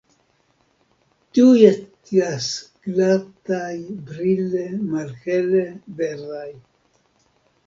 Tiuj estas glataj, brile malhele verdaj.